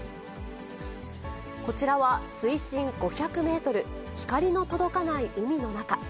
こちらは、水深５００メートル、光の届かない海の中。